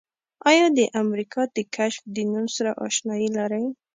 آیا د امریکا د کشف د نوم سره آشنایي لرئ؟